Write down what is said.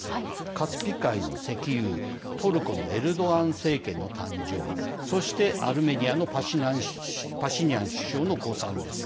カスピ海の石油トルコのエルドアン政権の誕生そして、アルメニアのパシニャン首相の誤算です。